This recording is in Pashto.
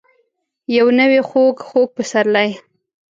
یو نوی خوږ. خوږ پسرلی ،